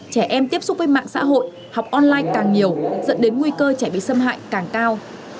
trẻ em tiếp xúc với mạng xã hội học online càng nhiều dẫn đến nguy cơ trẻ bị xâm hại càng cao